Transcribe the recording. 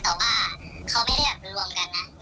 แต่ว่ามันดูแล้วก็รู้อ่ะ